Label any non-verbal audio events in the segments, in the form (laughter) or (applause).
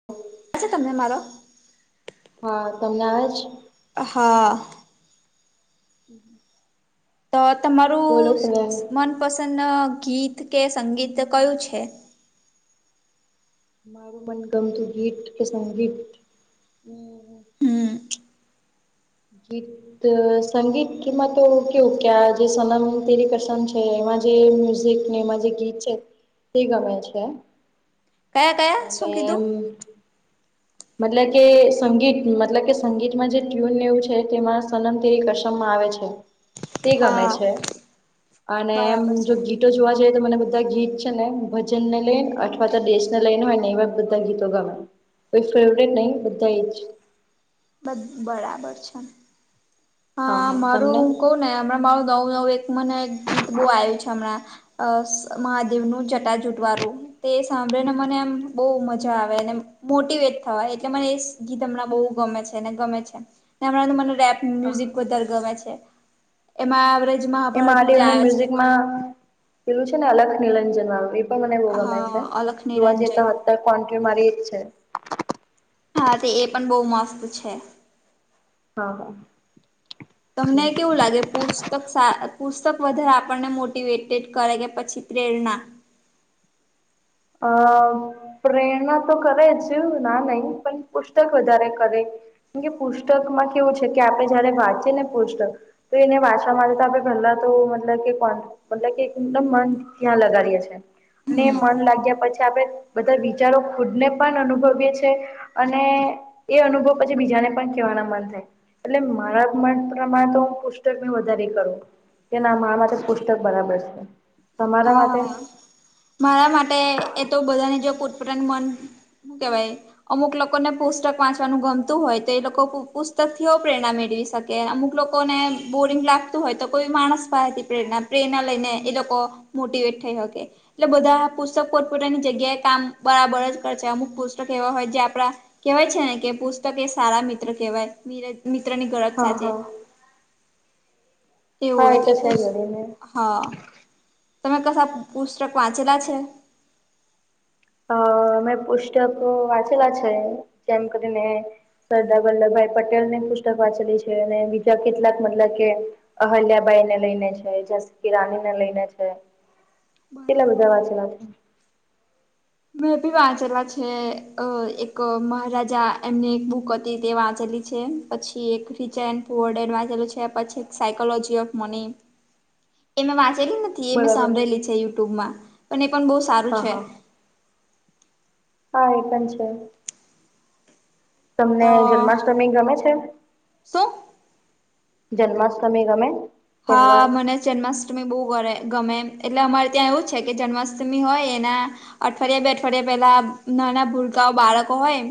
(inaudible) અચ્છા તમને મારો હા તમને આવે છે? હા. (inaudible) તો બોલો તમારું પ્રયાગ મનપસંદ ગીત કે સંગીત કયું છે? મારું મન ગમતું ગીત કે સંગીત હમ ગીત સંગીતમાં તો કેવું ક્યા જે સોનામ તેરી કસન છે એમાં એ મ્યુઝિકને મા જે ગીત છે તે ગમે છે. કયા કયા શું અને કીધું એમ મતલબ કે સંગીત મતલબ કે સંગીતમાં જે ટ્યુન એવું છે તેમાં સનમ તેરી કસમમાં આવે છે. તે ગમે હા છે અને એમ બરાબર જો છે ગીત જોવા જઈએ તો મને બધા ગીત છે ને ભજનને લઈને અથવા તો દેશને લઈને હોય ને એવા બધા ગીતો ગમે. કોઈ ફેવરેટ નહી બધા એ જ. બધ બરાબર છે. હા મારું હું કઉ ને હમણાં મારું નવ નવું એક મને ગીત બહુ આવ્યું છે હમણાં અ મહાદેવનું જટા જૂટવારું. તે સાંભળી ને મને એમ બહુ મજા આવે અને એમ મોટીવેટ થવાય એટલે મને એ ગીત હમણાં બહુ ગમે છે ને ગમે છે ને હમણાં મને રેપ હા હા મ્યુઝિક વધારે ગમે છે એમાં આવરેજ એ મહાભારતનું જે મહાદેવને આવે છે. મ્યુઝિકમાં પેલું છે ને અલખ નિરંજન વાળું પણ મને બહુ ગમે છે હા અલખ જોવા નિરંજન જતા હતા કોન્ટ મારી ઈજ છે. હા તે એ પણ બહુ મસ્ત છે. હા. તમને એટલે કેવું લાગે પુસ પુસ્તક સા પુસ્તક વધારે આપણને મોટિવેટેડ કરે કે પછી પ્રેરણા? અ પ્રેરણા તો કરે જ ના નહી પણ પુસ્તક વધારે કરે. કેમ કે પુસ્તક માં કેવું છે કે આપડણે જયારે વાંચીએ ને પુસ્તક તો એને વાંચવામાં તો આપણે ભલા તો મતલબ કે કો મતલબ કે એકદમ મન ત્યાં લગડીએ છે અને હમ મન લાગી ત્યાં પછી આપડણે બધા વિચારો ખુદને પણ અનુભવીએ છીએ અને એ અનુભવ પછી બીજાને પણ કહેવાના મન થાય. એટલે મારા મ પ્રમાણે તો હું પુસ્તકની વધારે કરું. કે ના મા માટેથે પુસ્તક બરાબર છે. તમારા હા માટે હા, મારા માટે એ તો બધાની જો કપન મન હું કે ભાઈ અમુક લોકોને પુસ્તક વાંચવાનું ગમતું હોય તો એ લોકો પુસ્તક થી પ્રેરણા મેળવી શકે. કે અમુક લોકો ને બોરિંગ લાગતું હોય તો કોઈ માણસ પસેતી પ્રેરણા પ્રેરણા લઈને એ લોકો મોટીવેટ થઈ હોકે. એટલે બધા પુસ્તક પોતપોતાની જગ્યાએ કામ બરાબર જ કર છે અમુક પુસ્તક એવા હોય જે આપણા કેવાય છે ને કે પુસ્તક એ શાળા મિત્ર કેવાય મિત્રની ગરજ હા સાજે. હા હા એવું એ તો એટલે છે જોડીને હા, તમે કશો પુસ્તક વાંચેલા છે? અ મે પુસ્તકો વાંચેલા છે, જેમ કરીને સરદાર વલ્લભભાઈ પટેલની પુસ્તક વાંચલી છે. અને બીજા કેટલાક મતલબ કે અહલ્યાબાઈ ને લઈને છે જસકિ રાની ને લઈને છે. કેટલા બધા બરાબર. વાચેલા છે. મેભી વાંચેલા છે એક મહારાજા એમને એક બુક હતી તે વાંચેલી છે. પછી એક રિચ એન્ડ પુવર્ડેડ વાંચેલું છે. પછી એક સાયકોલોજી ઓફ મની. (inaudible) એ મે વાંચેલી નથી એ મે બરાબર સાંભળેલી છે યુટ્યુબમાં, પણ એ પણ બોઉ સારું હા છે. હા હા એ પણ છે. તમને તો જન્માષ્ટમી ગમે છે? શું? જન્માષ્ટમી ગમે? તહેવાર હા મને જન્માષ્ટમી બોઉ ગમે‌ એટલે અમારે ત્યાં એવું છે કે જન્માષ્ટમી હોય એના અઠવાડિયા બે અઠવાડિયા પેલા નાના ભુરકાઓ બાળકો હોય,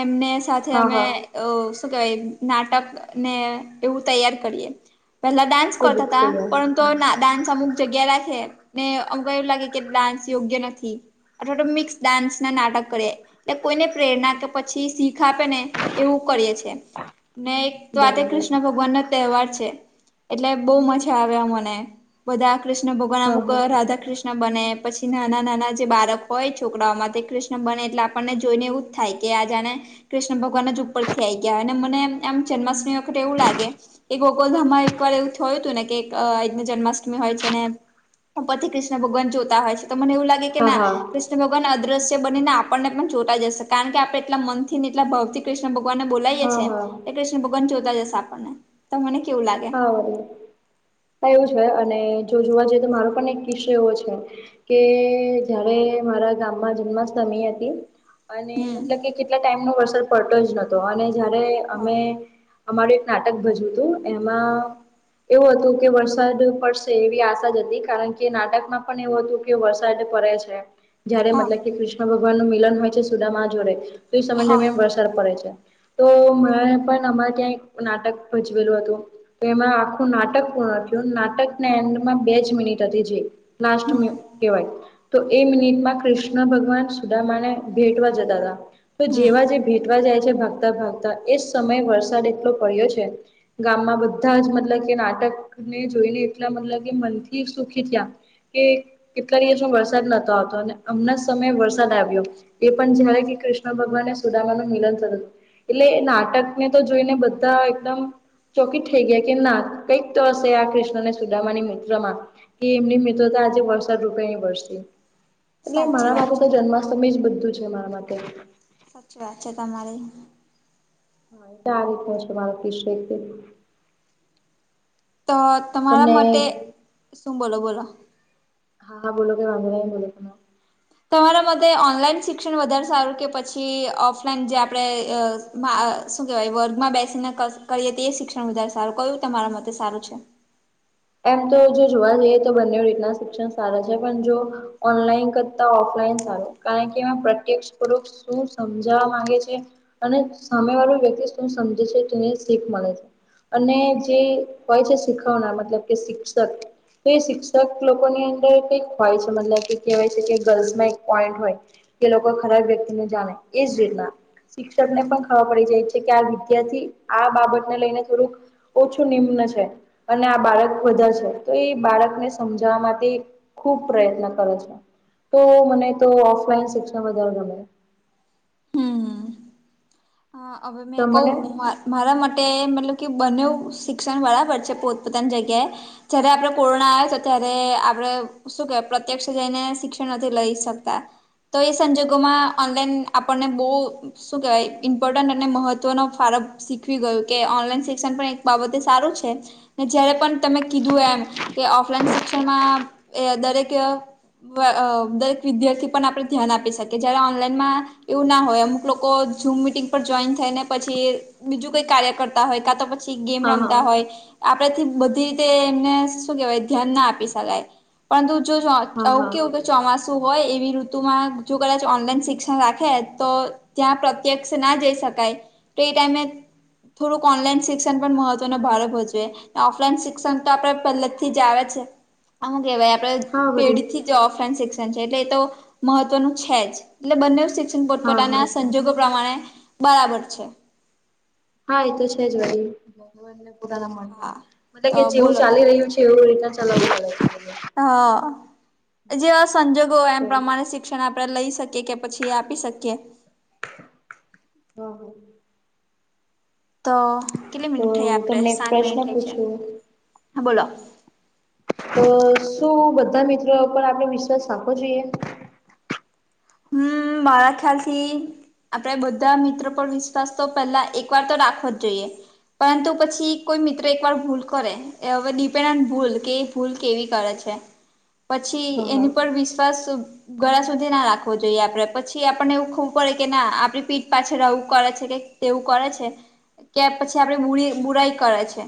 એમને સાથે હા અમે હા શું કેવાય નાટક ને એવું તૈયાર કરીએ, પેલા ડા ખુબ કરતા હતા તૈયાર પરતુ અવે ડાન્સ અમુક જગ્યા રાખે, ને અમુક વારે એવું લાગે કે ડાન્સ યોગ્ય નથી. અથવા તો મિક્સ ડાન્સના નાટક કરીએ, એટલે કોઈને પ્રેરણા કે પછી શીખ ખ આપે ને એવું કરીએ છે, અને એક રાધે બરાબર કૃષ્ણ ભગવાન નો તહેવાર છે. એટલે બોઉ મજા આવે અવે મને, બધા કૃષ્ણ ભગવાનના હા અમુક હા રાધા કૃષ્ણ કૃષ્ણ બને પછી નાના નાના જે બાળક હોય છોકરાઓમાં તે કૃષ્ણ બને એટલે આપણને જોઈને એવું થાય કે આ જાણે. કૃષ્ણ ભગવાન જ ઉપરથી આઈ ગયા હોય અને મને એમ આમ જન્માષ્ટમી વખતે એવું લાગે, કે ગોકોલધામમાં એક એકવાર એવું થયું હતું ને કે જન્માષ્ટમી હોય છે ને, ઉપરથી કૃષ્ણ ભગવાન જોતા હોય છે. ને મને એવું લાગે કે હા ના. હા કૃષ્ણ ભગવાન અદ્રશ્ય બનીને આપણને પણ જોતાજ હશે કારણ કે આપણે એટલા મનથી ને એટલા ભાવથી કૃષ્ણ ભગવાનને બોલાયે છે, હા એ કૃષ્ણ ભગવાન જોતા હશે આપણને, તો મને કેવું લાગે? હા, એવું છે અને જો જોવા જઈએ તો મારો પણ એક વિષય એવો છે. કે જયારે મારા ગામમાં જન્માષ્ટમી હતી. અને હમ મતલબ કે કેટલા ટાઈમનો વરસાદ પડતો જ નતો અને જયારે હા અમે. અમારું એક નાટક ભજ્યું હતું એમાં એવું હતું કે વરસાદ પડશે એવી આશા જ હતી કારણ કે નાટકમાં પણ એવું હતું. કે વરસાદ પડે છે. જયારે હા મતલબ કે કૃષ્ણ ભગવાનનું મિલન હોય છે, સુદામાં જોડે તો એ સમય હા દરમિયાન વરસાદ પડે છે. તો માણે પણ અમારે ત્યાં એક નાટક ભજવેલું હતું. તો એમાં આખું નાટક પૂર્ણ થયું નાટકના એન્ડમાં બે જ મિનિટ હતી જે લાસ્ટ હમ મે કેવાય. તો એ મિનિટમાં કૃષ્ણ ભગવાન સુદામાને ભેટવા જતા હતા, તો હમ જેવા જે ભેટવા જાય છે ભાગતા ભાગતા એજ સમયે વરસાદ એટલો પડ્યો છે‌. ગામમાં બધા જ મતલબ કે નાટકને જોઈને, એટલા મતલબ કે મનથી સુખી થયા. કે કેટલા દિવસથી વરસાદ નતો આવતો હતો અને અમણાં સમયે વરસાદ આવ્યો‌. એ પણ જાણે કે કૃષ્ણ ભગવાનને સુદામાનું મિલન થતું. એટલે નાટક ને તો જોઈને બધા એકદમ ચોકી થઈ ગયા કે ના કંઈક તો હશે, આ કૃષ્ણ અને સુદામાની મિત્રમાં કે એમની મિત્રતા આજે વરસાદ રૂપે વરસે. એટલે સાચી મારા વાત માટે છે તો જન્માષ્ટમી જ બધું છે, મારા માટે‌ સાચું તમારું (inaudible) તો તમારા માટે શું બોલો બોલો હા, બોલો બોલો સંભળાય છે, તમારા મતે ઓનલાઈન શિક્ષણ વધારે સારું કે પછી ઓફલાઈન જે આપણે, શું કેવાય વર્ગમાં બેસીને કરીએ, તે શિક્ષણ વધારે સારું કયું તમારા મતે સારું છે. એમ તો જો જોવા જઈએ, તો બંને રીતના શિક્ષણ સારા છે પણ જો. ઓનલાઈન કરતા ઓફલાઈન સારું કારણ કે એમાં પ્રત્યક્ષ પડો, શું સમજાવા માંગે છે, અને સામે વાળું વ્યક્તિ ત સમજે છે ત શીખ મળે છે, અને જે હોય છે, શીખવનાર મતલબ કે શિક્ષક તો એ શિક્ષક લોકોની અંદર કઈક હોય છે, મતલબ કે કહેવાય છે કે ગર્લ્સમાં એક પોઈન્ટ હોય, કે લોકો ખરાબ વ્યક્તિને જાણે એ જ રીતના, શિક્ષક ને પણ ખબર પડી જાય છે, કે આ વિદ્યાર્થી આ બાબતને લઈને થોડુંક ઓછું નિમ્ન છે અને આ બાળક બધા છે તો એ બાળકને સમજાવવા માટે ખૂબ પ્રયત્ન કરે છે, તો મને તો ઓફલાઈન શિક્ષણ વધારે ગમે, હ અમને તમને ક્વ મારા માટે મતલબ કે બંને શિક્ષણ બરાબર છે, પોતપોતાની જગ્યાએ જયારે આપડે કોરોના આવ્યો ત્યારે આપડે શું કેવાય પ્રત્યક્ષ જઈને શિક્ષણ નથી લઈ શકતા, તો એ સંજોગોમાં ઓનલાઈન આપણને બહુ શું કહેવાય, ઇમ્પોર્ટન્ટ અને મહત્વનો ફારક શીખવી ગયું કે ઓનલાઈન શિક્ષણ પણ એક બાબતે સારું છે. ને જયારે પણ તમે કીધું એમ કે ઓફલાઈન શિક્ષણમાં દરેક દરેક વિદ્યાર્થી પણ આપણે ધ્યાન આપી શકી જયારે ઓનલાઈનમાં, એવું ના હોય અમુક લોકો ઝૂમ મિટિંગ પર જોઈન થઈ ને પછી બીજું કઈ કાર્ય કરતા હોય કાતો પછી ગેમ હા હા રમતા હોય, આપડેથી બધી રીતે એમને શું કેહેવાય ધ્યાન ના આપી શકાય. પરંતુ જો જો હા આવુ હા કેવું કે, ચોમાસું હોય એવી ઋતુમાં જો કદાચ ઓનલાઈન શિક્ષણ રાખે તો ત્યાં પ્ર પ્ત્યક્ષ ના જઈ શકાય તો એ ટાઈમે થોડુંક ઓનલાઈન શિક્ષણ પણ મહત્વનો ભારે ભજવે, ઓફલાઈન શિક્ષણ તો આપડે પહેલા થી જ આવે છે, આમ કેવાય આપણે હા વરી પેઢી થી ઓફલાઈન શિક્ષણ છે એટલે એ તો, મહત્વનું છે જ એટલે બંને શિક્ષણ હા હા પોતપોતાના સંજોગો પ્રમાણે, બરાબર છે. હા એ તો છે જ, ભાઈન એ પોતાના માણસ ન હા મતલબ તો કે જેવું બોલો ચાલી રહ્યું છે. કેવ એ ચલાવાગ. (unintelligible) હા, જે સંજોગોય તો એમ પ્રમાણે શ શિક્ષણ આપણે લઈ શકીએ કે પછી આપી શકીએ. હ હ. તો કેટલી તો મિનિટ થઈ હ આપડે તમને એક સાત પ્રશ્ન મિનિટ થઈ છે પૂછું. હા બોલો તો શું બધા મિત્રો પર આપણે વિશ્વાસ આપખવો જોઈએ? હમ મારા ખ્યાલથી આપડણે બધા મિત્રો પર વિશ્વાસ તો પેલા એક વાર તો રાખવો જ જોઈએ. પરંતુ પછી કોઈ મિત્ર એક વાર ભૂલ કરે. એ હવે ડિપેન્ડ ઓન ભૂલ કે ભૂલ કેવી કરે છે. પછી હા એની હા પર વિશ્વાસ ઘળ સુધી ના રાખે. રાવો જોઈએ આપડે પછી આપણને એવું ખવું પડે કે ના આપડી પીઠ પાછ રવું કરે છે કે તેવું કરે છે. કે પછી આપડે બુરી બુરાઈ કરે છે,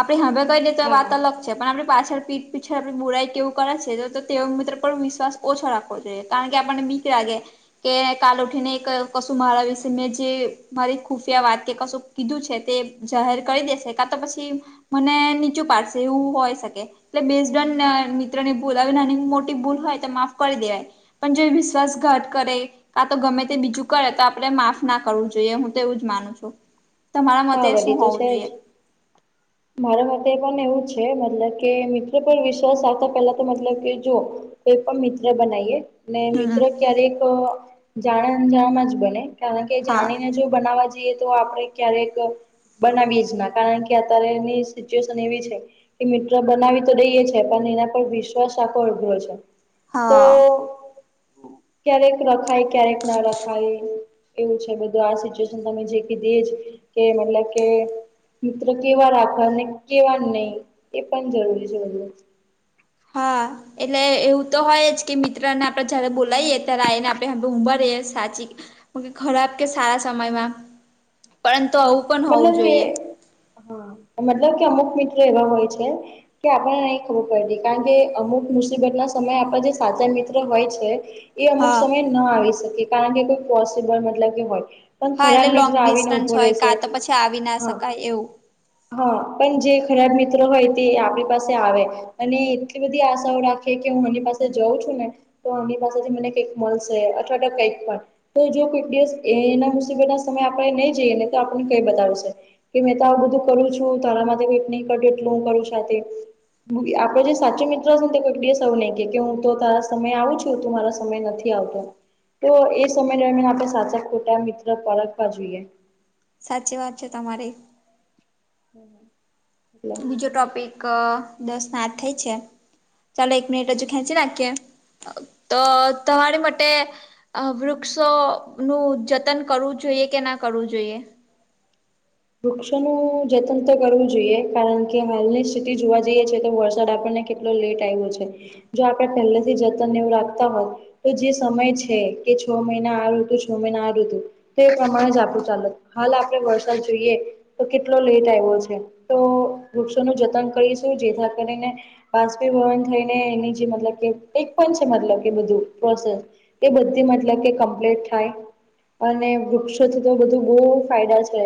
આપડે હવે કઈ દે તો હા વાત હા અલગ. પણ આપડી પાછળ પીઠ પીછળ આપ બુરાઈ કેવું કરે છે તો તે મિત્ર પર વિશ્વાસ ઓછો રાખવો જોઈએ. કારણ કે આપણને મીક રાગે. કે કાલ ઉઠીને કશું મારા વિશે મેં જે મારી ખુફિયા વાત કે કશું કીધું છે તે જાહેર કરી દેશે કાતો પછી મને, નીચું પાડશે એવું હોય શકે. એટલે બેજગન મિત્રોની ભૂલ નાની-મોટી ભૂલ હોય તો માફ કરી દેવાય. પણ જે વિશ્વાસઘાત કરે. કા તો ગમે તે બીજું કરે તો આપણે માફ ના કરવું જોઈએ હું તો એવું જ માનું છું. તમારા હા મતે વરી શું તો હોવું છે જોઈએ? જ મારા માટે પણ એવું છે, મતલબ કે મિત્રો પર વિશ્વાસ આવતા પેલા તો મતલબ કે જો. કોઈ પણ મિત્ર બનાવીએ, ને મિત્ર હમ ક્યારેક જાણમાં જ બને. કારણ કે હા જાણીને જો બનાવવા જઈએ તો આપણે ક્યારેક બનાવી જ ના કારણ કે અત્યારે એની સિચ્યુએશન એવી છે. એ મિત્રો બનાવી તો દઈએ છે પણ એના પર વિશ્વાસ આખો અઘરો છે. તો હા ક્યારેક રખાય, ક્યારેક ના રખાય. એવું છે બધું આ સિચ્યુએશન તમે જે કી દેજ કે, મતલબ કે મિત્ર કેવા રાખવા ને કેવા નહીં, એ પણ જરૂરી છે બ હા. એટલે એવું તો હોય જ કે મિત્ર ને આપણે જયારે બોલાવીએ ત્યારે આને આપણે ઉંમર સાચી. ખરાબ કે સારા સમયમાં, પરંતુ આવું પણ હોવું મતલબ કે જોઈએ. મતલબ કે અમુક મિત્રો એવા હોય છે. કે આપણને નહી ખબર પડે કારણ કે અમુક મુસીબતના સમયે આપણા જે સાચા મિત્ર હોય છે. એ અમુક હા સમય ન આવી શકે કારણ કે કોઈ પોસિબલ મતલબ કે હોય, પણ હા ખરાબ એટલે લોંગ મિત્ર આવીને ડિસ્ટન્સ હોય રહેશે કાંતો પછી આવી ના હા શકાય એવું. હા, પણ જે ખરાબ મિત્રો હોય તે આપણી પાસે આવે. અને એટલી બધી આશાઓ રાખે કે હું એની પાસે જાઉં છું ને. તો એમની પાસેથી મને કંઈક મળશે અથવા કંઈક પણ. તો જો કોઈક દિવસ એના મુસીબતના સમયે આપણે નહી જઈએ ને તો આપણને કઈ બતાવશે. કે મેં ત તો બધું કરું છું, તારા માટે કઈક નહી કર્યું એટલું હું કરું સાથે. આપણો જે સાચો મિત્રો છે ને તે કોઇ દિવસ એવું નહીં કે હું તો તારા સમય આવું છું, તું મારા સમય નથી નથી આવતો. તો એ સમય દરમિયાન આપણે સાચા ખોટા મિત્ર પારખવા જોઈએ. સાચી વાત છે, તમારી. હમ્મ. બીજો ટોપિક દસને આઠ થઈ છે. ચાલો એક મિનિટ હજુ ખેંચી નાખીએ, તો તમારી માટે વૃક્ષોનું જતન કરવું જોઈએ કે ના કરવું જોઈએ? વૃક્ષોનું જતન તો કરવું જોઈએ, કારણ કે હાલની સ્થિતિ જોવા જઈએ છે તો વરસાદ આપણને કેટ લેટ આવ્યો છે. જો આપણે પહેલેથી જતન એવું રાખતા હોય તો જે સમય છે, કે છ મહિના આ ઋતુ, છ મહિના આ ઋતુ તે પ્રમાણે જ આખું ચાલે, હાલે આપણે વરસાદ જોઈએ તો કેટલો લેટ આવ્યો છે. તો વૃક્ષોનું જતન કરીશું જેથી કરીને બાષ્પીભવન થઈને એની જે મતલબ કે એક પણ છે, મતલબ કે બધું પ્રોસેસ એ બધી મતલબ કે કમ્પ્લીટ થાય. અને વૃક્ષોથી તો બધું બહુ ફાયદા છે.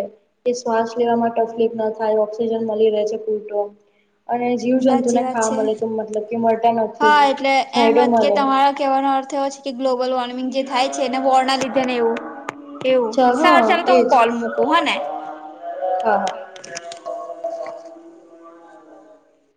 એ શ્વાસ લેવામાં તકલીફ ના થાય ઓક્સિજન મળી રહે છે પૂરતો. અને જીવ જંતુ સાચી ને વાત ખાવા છે મળે તો મતલબ કે મળતા હા નથી એટલે એમ છાયડો જ કે મળે તમારા કહેવાનો અર્થ એવો છે કે ગ્લોબલ વોર્મિંગ જે થાય છે ને વોરના લીધે ને એવું. એવું, અચ્છા હા સારું ચાલ તો હું એજ કોલ મૂકું હા ને? હા, હા.